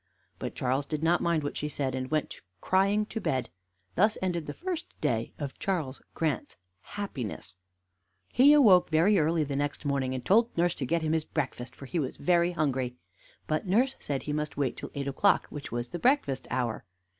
But Charles did not mind what she said, and went crying to bed. Thus ended the first day of Charles Grant's happiness. He awoke very early the next morning, and told nurse to get him his breakfast, for he was very hungry. But nurse said he must wait till eight o'clock, which was the breakfast hour.